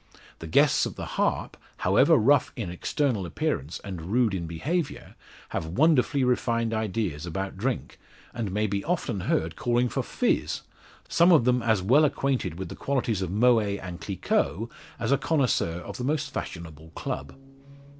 The guests of the Harp, however rough in external appearance and rude in behaviour have wonderfully refined ideas about drink, and may be often heard calling for "fizz" some of them as well acquainted with the qualities of Moet and Cliquot, as a connoisseur of the most fashionable club.